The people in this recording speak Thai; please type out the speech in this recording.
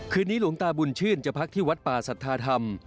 นี้หลวงตาบุญชื่นจะพักที่วัดป่าสัทธาธรรม